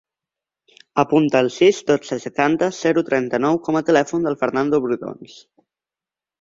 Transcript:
Apunta el sis, dotze, setanta, zero, trenta-nou com a telèfon del Fernando Brotons.